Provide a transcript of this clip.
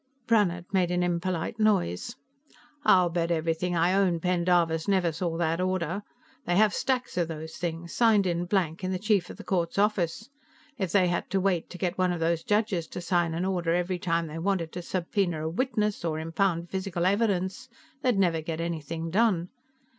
Brannhard made an impolite noise. "I'll bet everything I own Pendarvis never saw that order. They have stacks of those things, signed in blank, in the Chief of the Court's office. If they had to wait to get one of the judges to sign an order every time they wanted to subpoena a witness or impound physical evidence, they'd never get anything done.